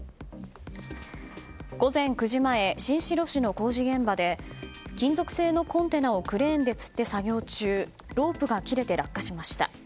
午前９時前、新城市の工事現場で金属製のコンテナをクレーンでつって作業中ロープが切れて落下しました。